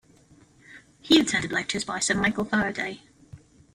He attended lectures by Sir Michael Faraday.